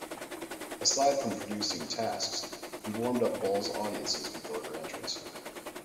Aside from producing tasks, he warmed up Ball's audiences before her entrance.